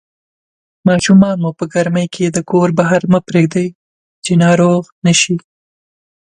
ماشومان مو په ګرمۍ کې د کور بهر مه پرېږدئ چې ناروغ نشي